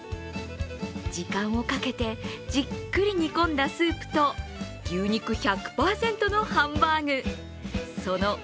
時間をかけてじっくり煮込んだスープと牛肉１００％のハンバーグ。